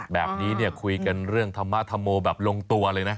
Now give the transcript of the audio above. แบบนี้เนี่ยคุยกันเรื่องธรรมธรรโมแบบลงตัวเลยนะ